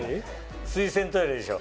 水洗トイレでしょ？